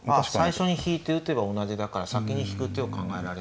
最初に引いて打てば同じだから先に引く手を考えられてたわけですね。